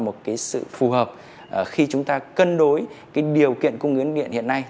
một sự phù hợp khi chúng ta cân đối điều kiện cung nguyên điện hiện nay